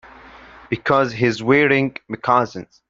Because he's wearing moccasins.